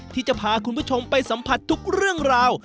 ที่จะพาคุณผู้ชมไปสัมผัสทุกเรื่องราว